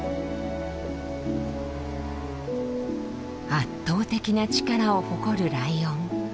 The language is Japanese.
圧倒的な力を誇るライオン。